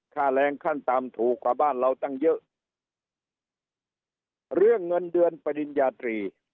ค่าแรงขั้นต่ำถูกกว่าบ้านเราตั้งเยอะเรื่องเงินเดือนปริญญาตรี